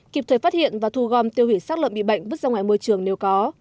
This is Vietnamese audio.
kịp thời phát hiện và thu gom tiêu hủy sát lợn bị bệnh vứt ra ngoài môi trường nếu có